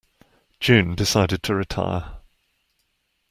June decided to retire.